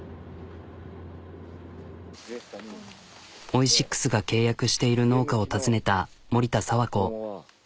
オイシックスが契約している農家を訪ねた森田佐和子。